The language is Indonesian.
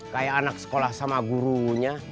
kayak anak sekolah sama gurunya